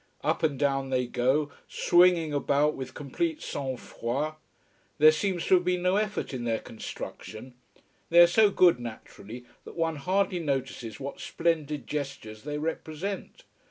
Up and down they go, swinging about with complete sang froid. There seems to have been no effort in their construction. They are so good, naturally, that one hardly notices what splendid gestures they represent.